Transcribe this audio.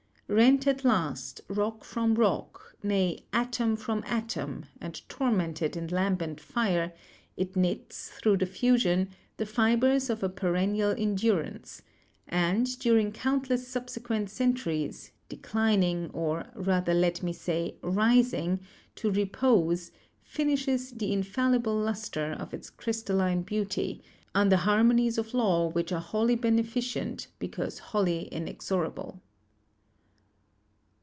Rent at last, rock from rock, nay, atom from atom, and tormented in lambent fire, it knits, through the fusion, the fibers of a perennial endurance; and, during countless subsequent centuries, declining, or, rather let me say, rising, to repose, finishes the infallible luster of its crystalline beauty, under harmonies of law which are wholly beneficent, because wholly inexorable."